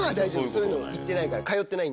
そういうの行ってないから。